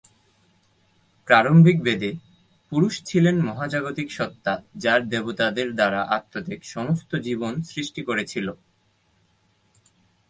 প্রারম্ভিক বেদে, পুরুষ ছিলেন মহাজাগতিক সত্তা যার দেবতাদের দ্বারা আত্মত্যাগ সমস্ত জীবন সৃষ্টি করেছিল।